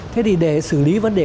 thế thì để xử lý vấn đề